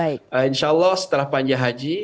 insya allah setelah panja haji